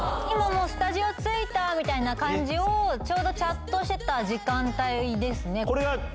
スタジオ着いた！みたいな感じをチャットしてた時間帯ですね。